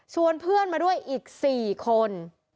ชวนเพื่อนมาด้วยอีกสี่คน